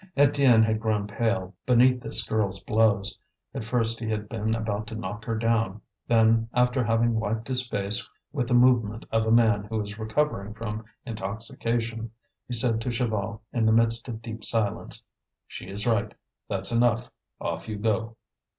Étienne had grown pale beneath this girl's blows. At first he had been about to knock her down; then, after having wiped his face with the movement of a man who is recovering from intoxication, he said to Chaval, in the midst of deep silence: "She is right; that's enough. Off you go."